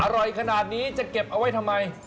อร่อยขนาดนี้จะเก็บเอาไว้ทำไม